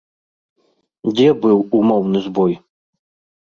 Дзе быў умоўны збой?